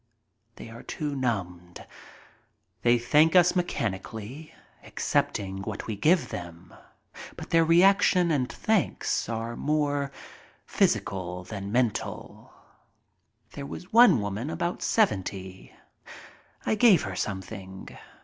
They are too numbed. They thank us mechanically, accepting what we give them, but their reaction and thanks are more physical than mental. There was one old woman about seventy. I gave her something.